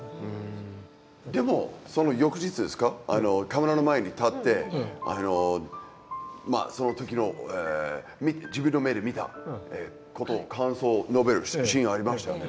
でもその翌日ですかカメラの前に立ってその時の自分の目で見たことを感想を述べるシーンありましたよね